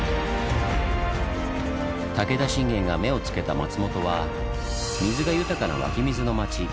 武田信玄が目をつけた松本は水が豊かな湧き水の町。